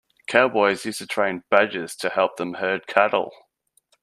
Cowboys used to train badgers to help them herd cattle.